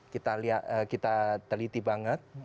kita teliti banget